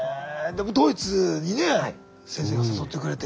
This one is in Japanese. でもドイツにね先生が誘ってくれて。